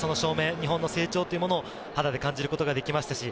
日本の成長を肌で感じることができました。